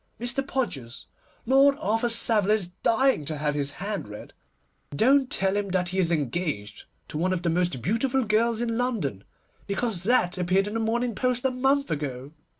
Mr. Podgers, Lord Arthur Savile is dying to have his hand read. Don't tell him that he is engaged to one of the most beautiful girls in London, because that appeared in the Morning Post a month ago.